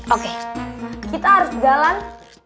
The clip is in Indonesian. oke kita harus galang